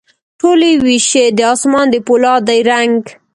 ټولي ویشي د اسمان د پولا دي رنګ،